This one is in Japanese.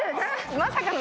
まさかの。